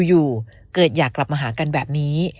อยู่เกิดอยากกลับมาหากันแบบนี้